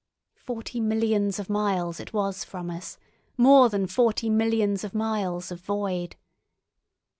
Forty millions of miles it was from us—more than forty millions of miles of void.